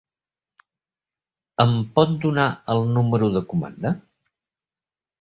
Em pot donar el número de comanda?